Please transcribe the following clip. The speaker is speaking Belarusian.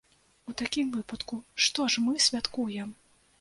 У такім выпадку, што ж мы святкуем?